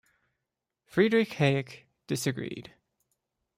Friedrich Hayek disagreed.